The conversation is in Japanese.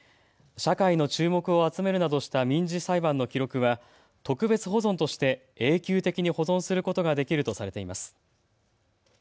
社会の注目を集めるなどした民事裁判の記録は特別保存として永久的に保存することができるとされています。